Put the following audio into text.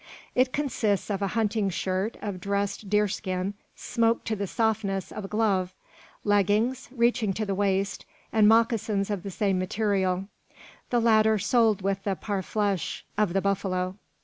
It consists of a hunting shirt of dressed deer skin, smoked to the softness of a glove; leggings, reaching to the waist, and moccasins of the same material; the latter soled with the parfleche of the buffalo.